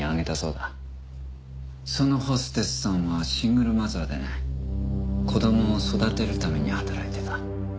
そのホステスさんはシングルマザーでね子供を育てるために働いてた。